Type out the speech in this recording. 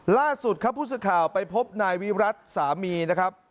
ล่าสุดครับผู้สื่อข่าวไปพบนายวิรัติสามีนะครับ